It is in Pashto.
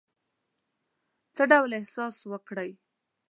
څه ډول احساس وکړی.